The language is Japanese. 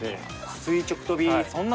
垂直跳び。